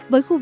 với khu vườn